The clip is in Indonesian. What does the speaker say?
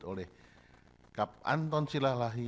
oleh kap anton silah lahi